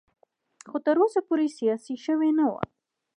خو تر اوسه پورې سیاسي شوی نه و.